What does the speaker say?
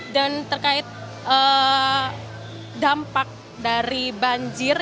dan terkait dampak dari banjir